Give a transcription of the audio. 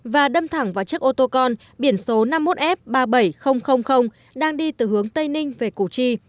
và đâm thẳng vào chiếc ô tô con biển số năm mươi một f ba mươi bảy nghìn đang đi từ hướng tây ninh về củ chi